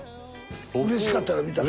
うれしかったろ見たら。